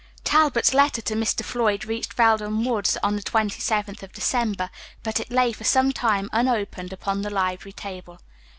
Talbot's letter to Mr. Floyd reached Felden Woods on the 27th of December, but it lay for some time unopened upon the library table.